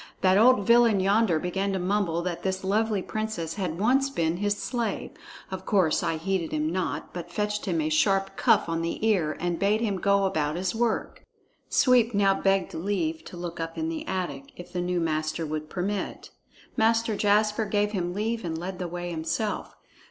That old villain yonder began to mumble that this lovely princess had once been his slave. Of course, I heeded him not, but fetched him a sharp cuff on the ear and bade him go about his work." Sweep now begged leave to look up in the attic, if the new master would permit. Master Jasper gave him leave and led the way himself.